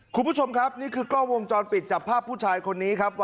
คุณผู้ชมครับนี่คือกล้องวงจรปิดจับภาพผู้ชายคนนี้ครับ